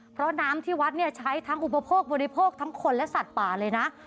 เพราะน้ำที่วัดเนี่ยใช้ทั้งอุปโภคบริโภคทั้งคนและสัตว์ป่าเลยนะ